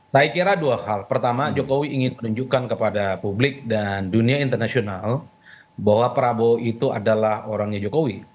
saya kira dua hal pertama jokowi ingin menunjukkan kepada publik dan dunia internasional bahwa prabowo itu adalah orangnya jokowi